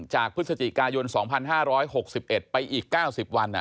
จากพฤศจิกายน๒๕๖๑ไปอีก๙๐วัน